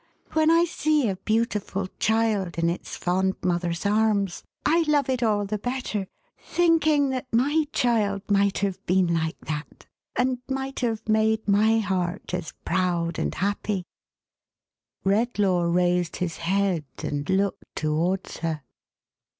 When I see a beautiful child in its fond mother's arms, I love it all the better, thinking that my child might hau 522 THE HAUNTED MAN. been like that, and might have made my heart as proud and happy/' Redlaw raised his head, and looked towards her.